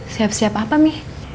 siap siap apa mi